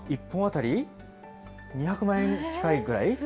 １本当たり２００万円近いぐらい？